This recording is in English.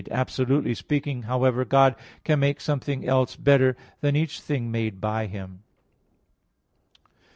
Absolutely speaking, however, God can make something else better than each thing made by Him.